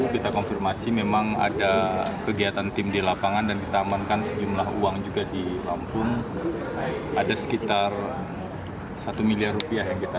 kita konfirmasi memang ada kegiatan tim di lapangan dan kita amankan sejumlah uang juga di lampung ada sekitar satu miliar rupiah yang kita